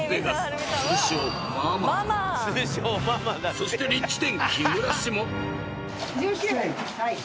［そしてリッチ１０木村氏も］